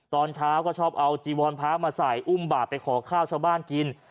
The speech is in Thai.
ตอนเช้าก็ชอบเอาจีวรพระมาใส่อุ้มบาปไปขอข้าวชาวบ้านกิน